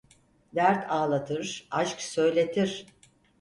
Dert ağlatır, aşk söyletir.